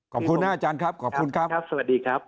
ขอบคุณนะอาจารย์ครับขอบคุณครับครับสวัสดีครับ